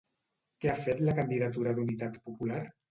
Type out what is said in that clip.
Què ha fet la Candidatura d'Unitat Popular?